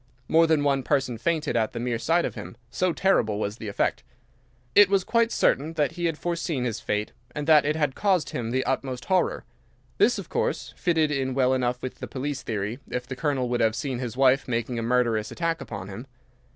More than one person fainted at the mere sight of him, so terrible was the effect. It was quite certain that he had foreseen his fate, and that it had caused him the utmost horror. This, of course, fitted in well enough with the police theory, if the Colonel could have seen his wife making a murderous attack upon him.